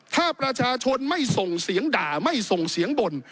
ถ้าประชาชนไม่ส่งเสียงด่าไม่ส่งเสียงบ่น